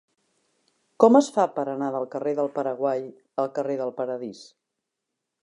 Com es fa per anar del carrer del Paraguai al carrer del Paradís?